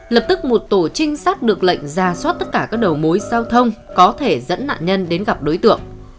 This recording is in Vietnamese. lập tức một tổ trinh sát được lệnh ra soát tất cả các đầu mối giao thông có thể dẫn nạn nhân đến gặp đối tượng